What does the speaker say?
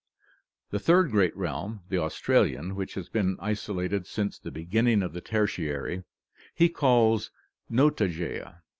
The third great realm, the Australian, which has been isolated since the beginning of the Tertiary, he calls Notogaea (Gr.